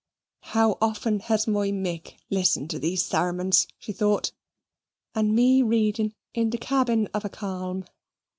How often has my Mick listened to these sermons, she thought, and me reading in the cabin of a calm!